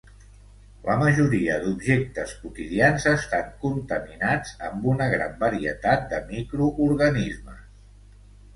La majoria d'objectes quotidians estan contaminats amb una gran varietat de microorganismes.